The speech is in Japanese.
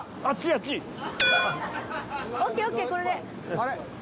あれ？